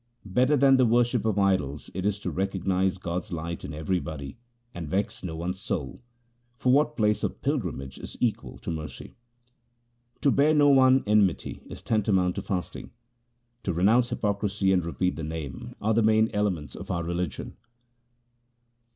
Better than the worship of idols is it to recognize God's light in everybody, and vex no one's soul ; for what place of pilgrimage is equal to mercy ? To bear no one enmity is tantamount to fasting. To renounce hypocrisy and repeat the Name are the main elements of our religion.